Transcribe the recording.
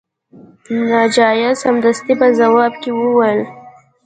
ناجیه سمدستي په ځواب کې وویل